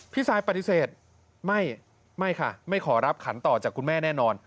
ซายปฏิเสธไม่ค่ะไม่ขอรับขันต่อจากคุณแม่แน่นอน